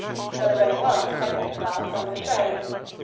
There was only one second class on the train.